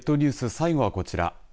最後はこちら。